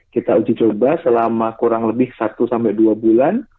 kita uji coba selama kurang lebih satu sampai dua bulan